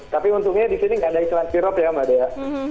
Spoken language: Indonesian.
tapi untungnya di sini nggak ada iklan sirop ya mbak dea